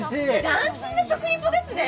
斬新な食リポですね。